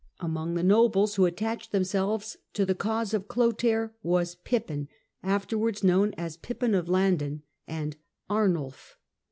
Among the nobles who attached themselves to the cause of Clotair were Pippin, afterwards known as Pippin of Landen, and Arnulf.